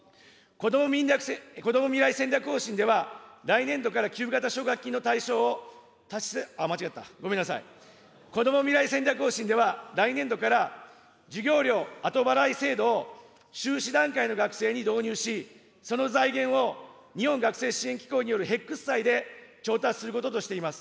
こども未来戦略方針では、来年度から給付型奨学金の対象を、間違えた、ごめんなさい、こども未来戦略方針では、来年度から授業料後払い制度を修士段階の学生に導入し、その財源を日本学生支援機構によるヘックス債で調達することとしています。